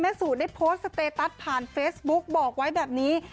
สูตรได้โพสต์สเตตัสผ่านเฟซบุ๊กบอกไว้แบบนี้